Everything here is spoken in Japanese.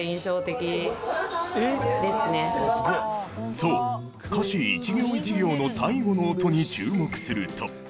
そう歌詞一行一行の最後の音に注目すると。